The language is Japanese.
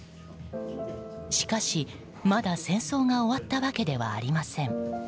しかし、まだ戦争が終わったわけではありません。